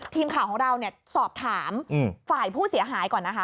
ทีมข่าวของเราเนี่ยสอบถามฝ่ายผู้เสียหายก่อนนะคะ